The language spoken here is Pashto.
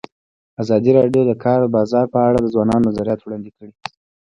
ازادي راډیو د د کار بازار په اړه د ځوانانو نظریات وړاندې کړي.